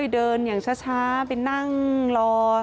เดินอย่างช้าไปนั่งรอ